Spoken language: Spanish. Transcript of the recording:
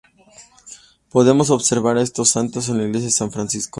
Podemos observar a estos santos en la Iglesia de San Francisco.